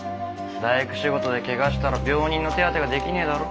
大工仕事で怪我したら病人の手当てができねえだろ？